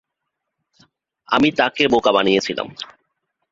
আমি তাদের বোকা বানিয়েছিলাম।